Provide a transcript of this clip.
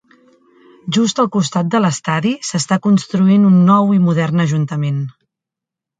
Just al costat de l'estadi, s'està construint un nou i modern ajuntament.